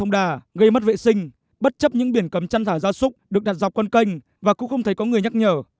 được đặt dọc con kênh và cũng không thấy có người nhắc nhở